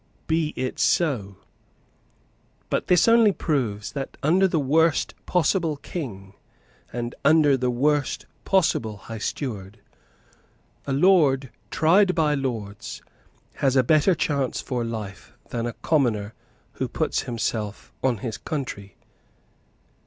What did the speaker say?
Be it so. But this only proves that, under the worst possible King, and under the worst possible High Steward, a lord tried by lords has a better chance for life than a commoner who puts himself on his country.